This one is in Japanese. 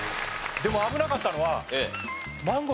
でも危なかったのは。